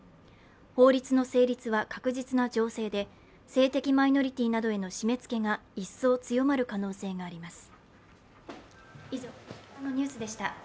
法律の成立は確実な情勢で性的マイノリティーなどへの締め付けが一層強まる可能性があります。